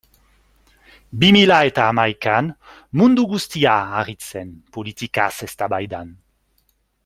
Bi mila eta hamaikan mundu guztia ari zen politikaz eztabaidan.